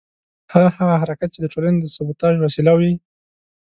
هر هغه حرکت چې د ټولنې د سبوټاژ وسیله وي.